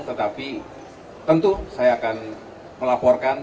tetapi tentu saya akan melaporkan